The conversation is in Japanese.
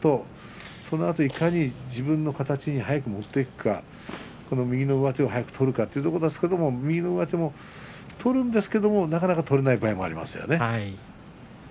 そのあと、いかに自分の形に早く持っていくか右の上手を早く取るかということですけれど右の上手も取るんですけどなかなか取れない場合もありますよね。